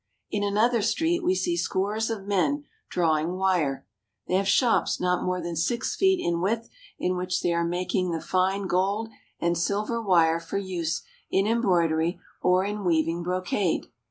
In another street we see scores of men drawing wire. They have shops not more than six feet in width in which they are making the fine gold and silver wire for use in embroidery or in weaving brocade.